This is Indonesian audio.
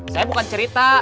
saya bukan cerita